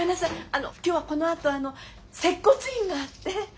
あの今日はこのあと接骨院があって。